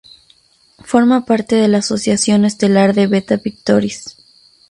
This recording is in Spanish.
Forma parte de la Asociación estelar de Beta Pictoris.